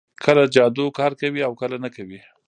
کله جادو کار کوي او کله نه کوي